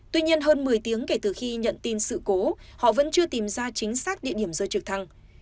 tuy nhiên hơn một mươi tiếng kể từ khi nhận tin sự cố họ vẫn chưa tìm ra chính xác địa điểm rơi trực thăng